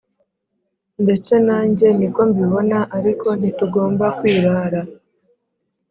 ndetse nanjye ni ko mbibona ariko ntitugomba kwirara.